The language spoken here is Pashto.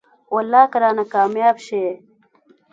والله که رانه کاميابه شې.